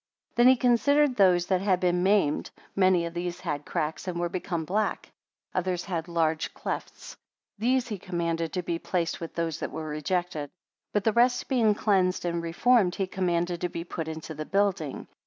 68 Then he considered those that had been maimed; many of these had cracks, and were become black; others had large clefts; these he commanded to be placed with those that were rejected; 69 But the rest being cleansed and reformed, he commanded to be put into the building.